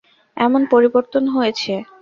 এমন পরিবর্তন হয়েছে।